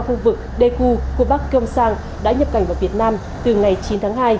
khu vực daegu khu bắc gyeongsang đã nhập cảnh vào việt nam từ ngày chín tháng hai